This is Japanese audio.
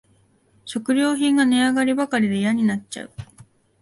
食料品が値上がりばかりでやんなっちゃう